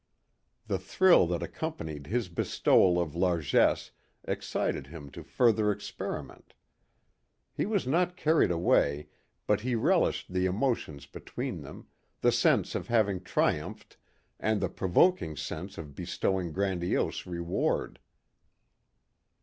The thrill that accompanied his bestowal of largesse excited him to further experiment. He was not carried away but he relished the emotions between them, the sense of having triumphed and the provoking sense of bestowing grandiose reward.